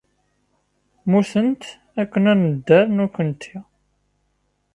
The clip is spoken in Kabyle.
Mmutent akken ad nedder nekkenti.